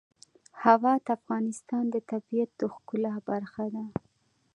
هوا د افغانستان د طبیعت د ښکلا برخه ده.